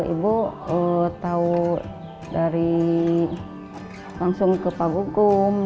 ibu tahu dari langsung ke pak gugum